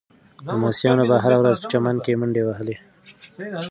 لمسیانو به هره ورځ په چمن کې منډې وهلې.